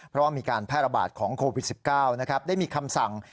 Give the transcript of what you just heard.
เพราะว่ามีการแพร่ระบาดของโควิด๑๙ได้มีคำสั่ง